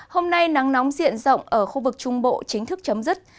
hôm nay nắng nóng diện rộng ở khu vực trung bộ chính thức chấm dứt